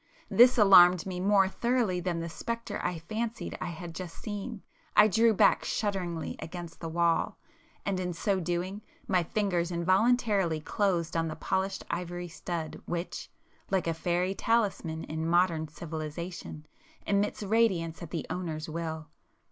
This alarmed me more thoroughly than the spectre I fancied I had just seen,—I drew back shudderingly against the wall,—and in so doing, my fingers involuntarily closed on the polished ivory stud which, like a fairy talisman in modern civilization, emits radiance at the owner's will.